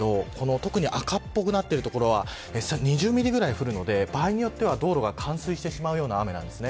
特に赤っぽくなっている所は２０ミリぐらい降るので場合によっては道路が冠水してしまうような雨です。